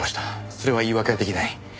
それは言い訳は出来ない。